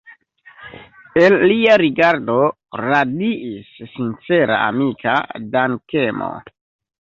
El lia rigardo radiis sincera amika dankemo.